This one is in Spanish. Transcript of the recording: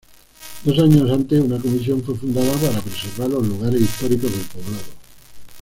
Dos años antes una comisión fue fundada para preservar los lugares históricos del poblado.